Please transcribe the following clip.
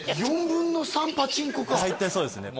４分の３パチンコか大抵そうですね